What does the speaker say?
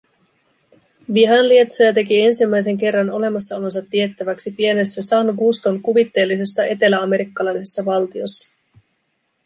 Vihanlietsoja teki ensimmäisen kerran olemassaolonsa tiettäväksi pienessä San Guston kuvitteellisessa eteläamerikkalaisessa valtiossa